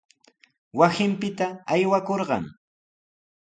Runa warminta maqaskir wasinpita aywakurqan.